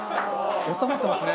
収まってますね。